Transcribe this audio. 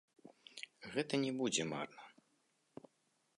Гэта не будзе марна.